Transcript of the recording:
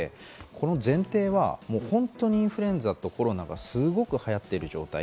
この前提はもう本当にインフルエンザとコロナがすごく流行ってる状態。